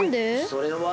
それは。